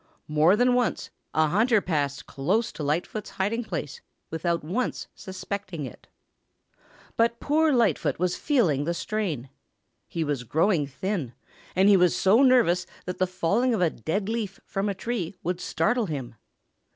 More than once a hunter passed close to Lightfoot's hiding place without once suspecting it. But poor Lightfoot was feeling the strain. He was growing thin, and he was so nervous that the falling of a dead leaf from a tree would startle him.